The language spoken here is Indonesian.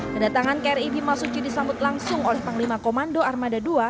kedatangan kri bimasuci disambut langsung oleh panglima komando armada dua